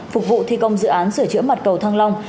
phục vụ thi công dự án sửa chữa mặt cầu thăng long